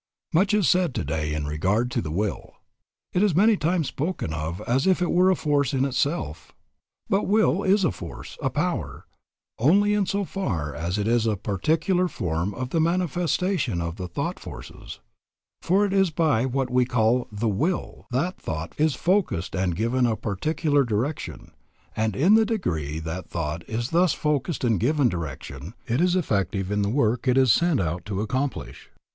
Much is said today in regard to the will. It is many times spoken of as if it were a force in itself. But will is a force, a power, only in so far as it is a particular form of the manifestation of the thought forces; for it is by what we call the "will" that thought is focused and given a particular direction, and in the degree that thought is thus focused and given direction, is it effective in the work it is sent out to accomplish.